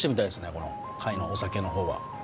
この貝のお酒の方は。